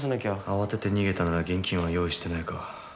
慌てて逃げたなら現金は用意してないか。